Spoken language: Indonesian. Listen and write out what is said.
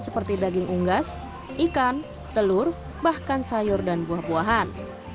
seperti daging unggas ikan telur bahkan sayur dan buah buahan